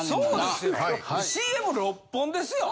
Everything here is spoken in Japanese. ＣＭ６本ですよ。